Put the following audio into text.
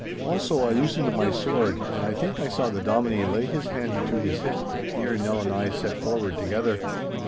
Also I loosened my sword, and I think I saw the Dominie lay his hand to his hip, ere Nell and I set forward together.